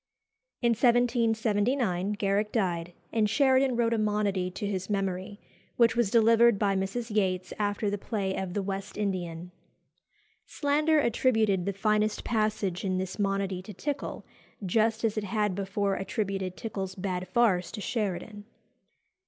In 1779 Garrick died, and Sheridan wrote a monody to his memory, which was delivered by Mrs. Yates after the play of "The West Indian." Slander attributed the finest passage in this monody to Tickell, just as it had before attributed Tickell's bad farce to Sheridan.